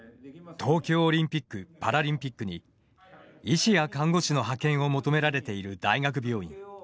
東京オリンピック・パラリンピックに医師や看護師の派遣を求められている大学病院。